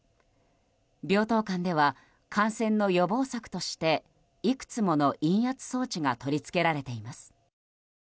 病棟間では感染の予防策としていくつもの陰圧装置が取り付けられています。